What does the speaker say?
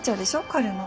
彼の。